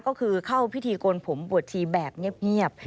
ก็คือเข้าพิธีโกนผมบวชชีแบบเงียบ